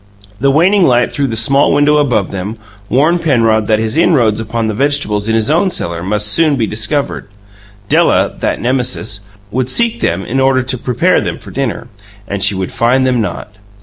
The waning light through the small window above them warned Penrod that his inroads upon the vegetables in his own cellar must soon be discovered. Della, that Nemesis, would seek them in order to prepare them for dinner, and she would find them not.